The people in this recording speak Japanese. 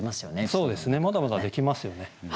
そうですねまだまだできますよね。